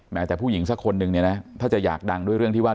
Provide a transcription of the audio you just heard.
แม้แต่ผู้หญิงสักคนนึงถ้าจะอยากดังด้วยเรื่องที่ว่า